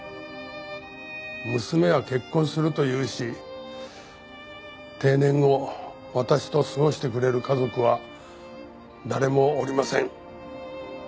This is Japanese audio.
娘は結婚すると言うし定年後私と過ごしてくれる家族は誰もおりません。